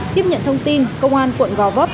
tiếp nhận thông tin công an quận gò vấp